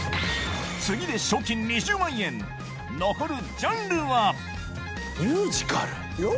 次で賞金２０万円残るジャンルは「ミュージカル」。